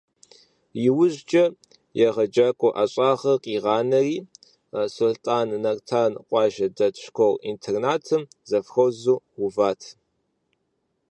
Иужькӏэ егъэджакӏуэ ӏэщӏагъэр къигъанэри, Сулътӏан Нартан къуажэм дэт школ-интернатым завхозу уват.